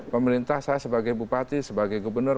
pemerintah saya sebagai bupati sebagai gubernur